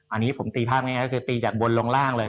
อันนี้ผมตีภาพง่ายก็คือตีจากบนลงล่างเลย